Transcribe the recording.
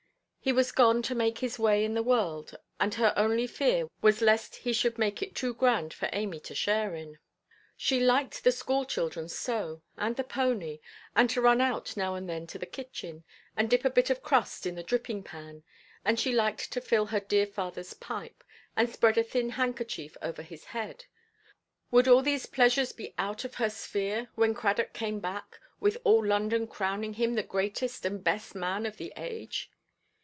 He was gone to make his way in the world, and her only fear was lest he should make it too grand for Amy to share in. She liked the school–children so, and the pony, and to run out now and then to the kitchen, and dip a bit of crust in the dripping–pan; and she liked to fill her dear fatherʼs pipe, and spread a thin handkerchief over his head. Would all these pleasures be out of her sphere, when Cradock came back, with all London crowning him the greatest and best man of the age?